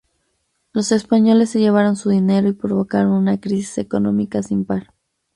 Los españoles se llevaron su dinero y provocaron una crisis económica sin par.